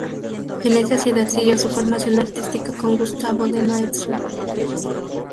En esa ciudad siguió su formación artística con Gustavo de Maeztu.